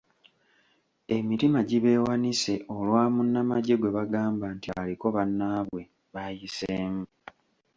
Emitima gibeewanise olwa munnamagye gwe bagamba nti aliko bannaabwe b'ayiseemu.